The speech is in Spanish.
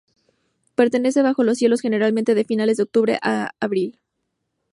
Permanece bajo los hielos generalmente de finales de octubre a abril.